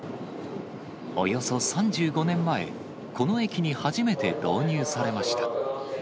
およそ３５年前、この駅に初めて導入されました。